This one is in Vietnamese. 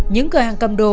những cửa hàng cầm đồ